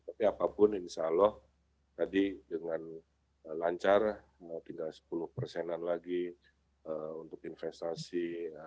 tapi apapun insya allah tadi dengan lancar mau tinggal sepuluh persenan lagi untuk investasi